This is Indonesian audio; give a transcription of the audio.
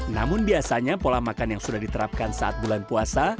namun biasanya pola makan yang sudah diterapkan saat bulan puasa